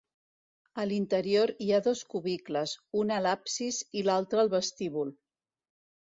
A l'interior hi ha dos cubicles, un a l'absis i l'altre al vestíbul.